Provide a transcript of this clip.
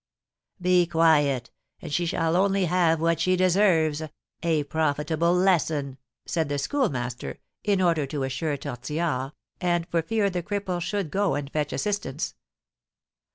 "Be quiet, and she shall only have what she deserves, a profitable lesson," said the Schoolmaster, in order to assure Tortillard, and for fear the cripple should go and fetch assistance.